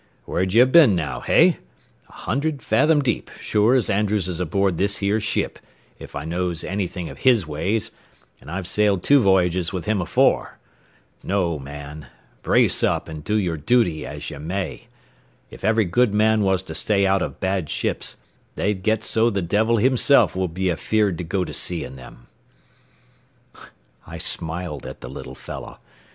Where'd ye been now, hey? A hunderd fathom deep, sure as Andrews is aboard this here ship, if I knows anything o' his ways, an' I've sailed two voyages with him afore. No, man; brace up and do yer dooty as ye may. If every good man was to stay out of bad ships, they'd get so the devil himself would be afeard to go to sea in them." I smiled at the little fellow.